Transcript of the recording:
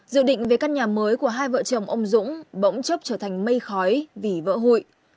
dự định về căn nhà mới của hai vợ chồng ông dũng bỗng chốc trở thành mây khói vì vỡ hụi